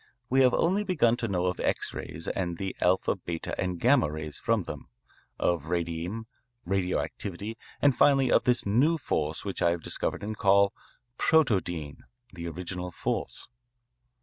We have only begun to know of X rays and the alpha, beta, and gamma rays from them, of radium, radioactivity, and finally of this new force which I have discovered and call 'protodyne,' the original force.